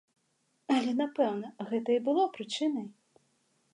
Але, напэўна, гэта і было прычынай.